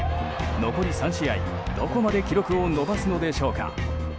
残り３試合、どこまで記録を伸ばすのでしょうか。